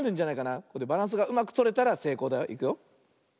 バランスがうまくとれたらせいこうだよ。いくよ。